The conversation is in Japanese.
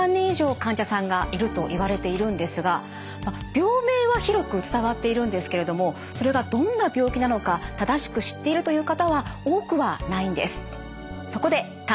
病名は広く伝わっているんですけれどもそれがどんな病気なのか正しく知っているという方は多くはないんです。